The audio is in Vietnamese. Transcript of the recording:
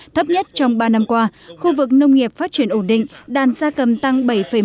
thấp nhất trong ba năm qua khu vực nông nghiệp phát triển ổn định đàn gia cầm tăng bảy một